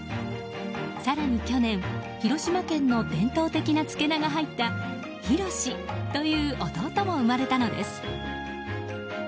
更に去年、広島の伝統的な漬菜が入ったひろしという弟も生まれたのです。